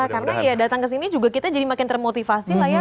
karena datang ke sini juga kita jadi makin termotivasi lah ya